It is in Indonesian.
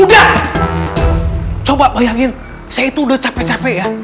udah coba bayangin saya itu udah capek capek ya